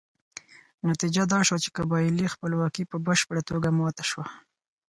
نتیجه دا شوه چې قبایلي خپلواکي په بشپړه توګه ماته شوه.